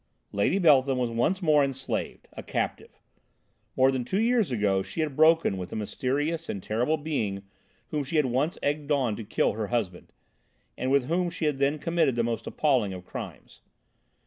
Lady Beltham was once more enslaved, a captive! More than two years ago she had broken with the mysterious and terrible being whom she had once egged on to kill her husband, and with whom she then committed the most appalling of crimes.